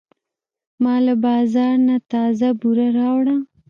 ما له بازار نه تازه بوره راوړه.